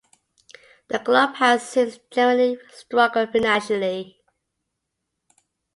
The club has since generally struggled financially.